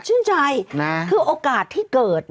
ชื่นใจนะคือโอกาสที่เกิด